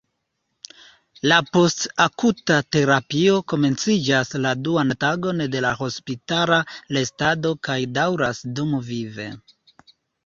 La post-akuta terapio komenciĝas la duan tagon de la hospitala restado kaj daŭras dumvive.